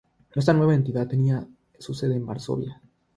Esta nueva entidad tenía su sede en Varsovia.